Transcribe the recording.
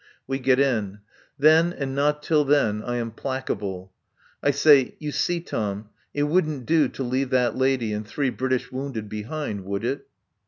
We get in. Then, and not till then, I am placable. I say: "You see, Tom, it wouldn't do to leave that lady and three British wounded behind, would it?"